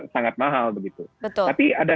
sangat mahal begitu tapi ada